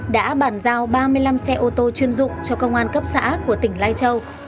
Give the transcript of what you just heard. đã bản giao ba mươi năm xe ô tô chuyên dụng cho công an cấp xã của tỉnh lai châu